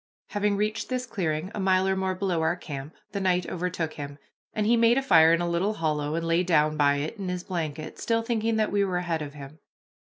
Having reached this clearing, a mile or more below our camp, the night overtook him, and he made a fire in a little hollow, and lay down by it in his blanket, still thinking that we were ahead of him.